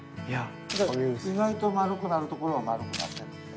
意外と丸くなるところは丸くなってたんで。